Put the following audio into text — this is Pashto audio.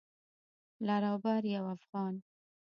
لر او بر يو افغان.